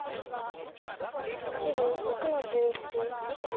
白６の十一切り。